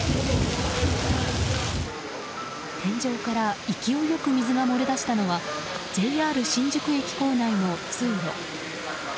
天井から勢いよく水が漏れ出したのはＪＲ新宿駅構内の通路。